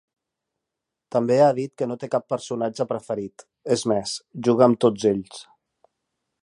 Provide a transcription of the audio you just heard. També ha dit que no té cap personatge preferit; és més, juga amb tots ells.